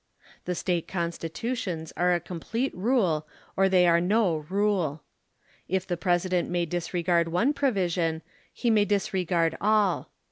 The State Constitutions are a complete rule or they are no rule. If the President may disregard one provision, he may disregard all.